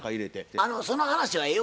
あのその話はええわ。